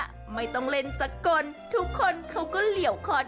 อ่าฮึ